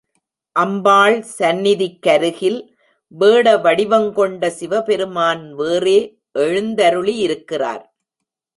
அம்பாள் சந்நிதிக்கருகில் வேட வடிவங்கொண்ட சிவபெருமான் வேறே எழுந்தருளியிருக்கிறார்.